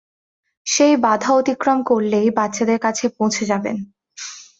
সেই বাধা অতিক্রম করলেই, বাচ্চাদের কাছে পৌঁছে যাবেন।